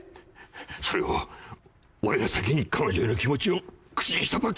それを俺が先に彼女への気持ちを口にしたばっかりに。